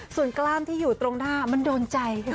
ส่วนกล้ามที่อยู่ตรงหน้ามันโดนใจ